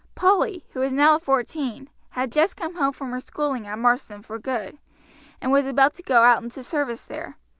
Polly, who was now fourteen, had just come home from her schooling at Marsden for good, and was about to go out into service there.